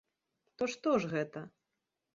То што ж гэта?